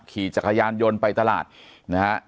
ขี่จักรยานยนต์ไปตลาดนะฮะ